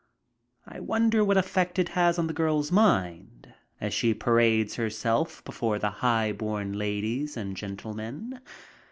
I wonder what effect it has on^the girl's mind as she parades herself before the high born ladies and gentlemen.